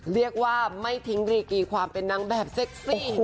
เรียกว่าไม่ทิ้งรีกีความเป็นนางแบบเซ็กซี่